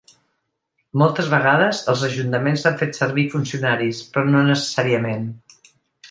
Moltes vegades els ajuntaments han fet servir funcionaris, però no necessàriament.